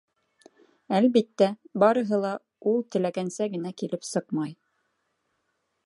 Әлбиттә, барыһы ла ул теләгәнсә генә килеп сыҡмай.